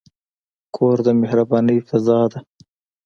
کور د مهربانۍ فضاء لري.